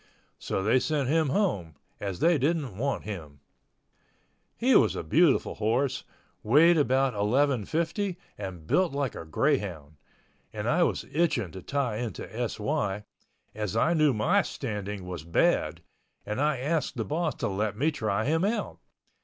So they sent him home, as they didn't want him. He was a beautiful horse, weighed about 1150 and built like a greyhound, and I was itching to tie into S.Y., as I knew my standing was bad, and I asked the boss to let me try him out.